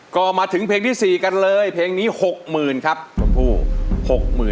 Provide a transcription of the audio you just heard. ก็มาถึงเพลงที่๔กันเลยเพลงนี้๖๐๐๐ครับชมพู่